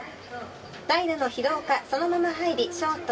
代打の廣岡、そのまま入りショート。